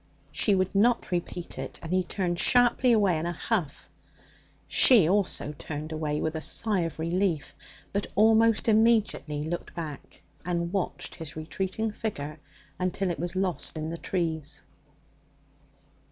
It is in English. She would not repeat it, and he turned sharply away in a huff. She also turned away with a sigh of relief, but almost immediately looked back, and watched his retreating figure until it was lost in the trees.